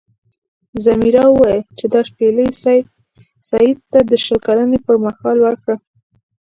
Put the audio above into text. ځمیرا وویل چې دا شپیلۍ سید ته د شل کلنۍ پر مهال ورکړه.